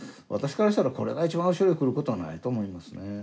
私からしたらこれが一番後ろへくることはないと思いますね。